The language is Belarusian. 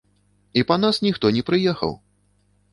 І па нас ніхто не прыехаў!